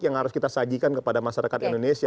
yang harus kita sajikan kepada masyarakat indonesia